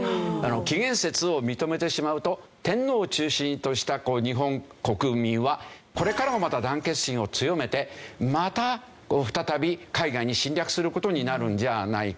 紀元節を認めてしまうと天皇を中心とした日本国民はこれからもまた団結心を強めてまた再び海外に侵略する事になるんじゃないか。